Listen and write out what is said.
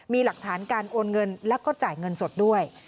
มีหลักฐานการโอนเงินแล้วก็จ่ายเงินสดด้วย